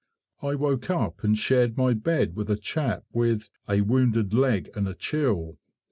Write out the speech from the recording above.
I woke up and shared my bed with a chap with "a wounded leg and a chill".